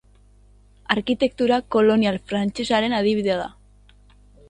Arkitektura kolonial frantsesaren adibidea da.